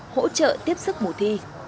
hỗ trợ tiếp sức mùa thi